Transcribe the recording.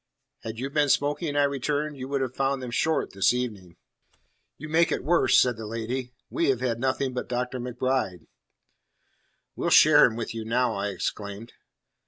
"Had you been smoking," I returned, "you would have found them short this evening." "You make it worse," said the lady; "we have had nothing but Dr. MacBride." "We'll share him with you now," I exclaimed.